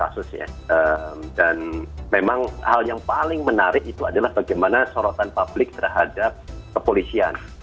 dengan titik terang jadi kita mengamati sejak awal kasusnya dan memang hal yang paling menarik itu adalah bagaimana sorotan publik terhadap kepolisian